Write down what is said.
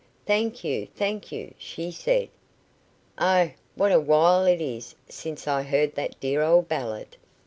"Thank you, thank you," she said. "Oh, what a while it is since I heard that dear old ballad."